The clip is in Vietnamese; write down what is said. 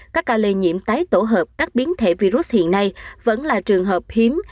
các ca lây nhiễm tái tổ hợp các biến thể virus hiện nay vẫn là trường hợp hiếm